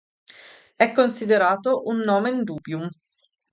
È considerato un "nomen dubium".